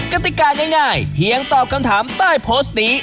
กติกาง่ายเพียงตอบคำถามใต้โพสต์นี้